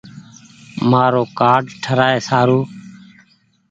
مآرو ڪآرڊ ٺرآئي سارو۔